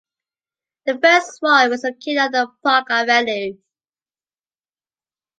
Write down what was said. The first one was located on the Parc avenue.